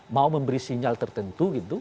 mau memberi sinyal tertentu